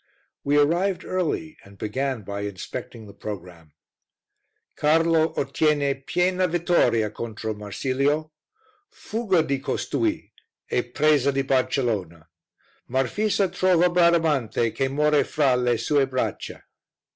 We arrived early and began by inspecting the programme Carlo ottiene piena vittoria contro Marsilio Fuga di costui e presa di Barcelona Marfisa trova Bradamante che more fra le sue braccia.